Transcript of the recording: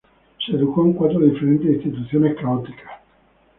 Se educó en cuatro diferentes instituciones católicas.